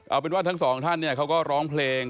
เอาเป็นว่าทั้งสองท่านเนี่ยเขาก็ร้องเพลง